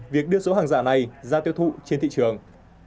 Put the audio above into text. việc đưa số hàng giả này ra tiêu thụ trên thị trường